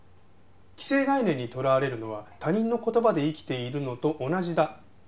既成概念にとらわれるのは他人の言葉で生きているのと同じだ。